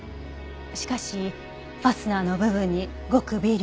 しかしファスナーの部分にごく微量に。